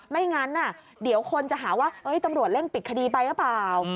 ไม่งั้นเดี๋ยวคนจะหาว่าตำรวจเร่งปิดคดีไปหรือเปล่า